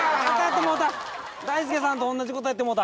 大輔さんと同じことやってもうた！